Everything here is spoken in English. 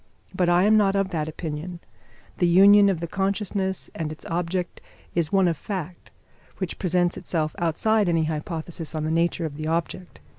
But I am not of that opinion. The union of the consciousness and its object is one of fact, which presents itself outside any hypothesis on the nature of the object.